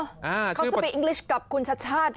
เออเขาพูดภาษาอังกฤษกับคุณชัดนะฮะ